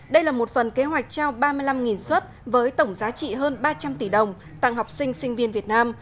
đây là một phần kế hoạch trao ba mươi năm xuất với tổng giá trị hơn ba trăm linh tỷ đồng tặng học sinh sinh viên việt nam